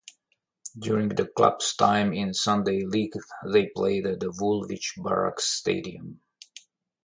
During the club's time in Sunday league they played at the Woolwich Barracks Stadium.